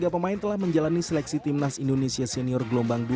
tiga pemain telah menjalani seleksi timnas indonesia senior gelombang dua